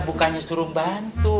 bukannya suruh bantu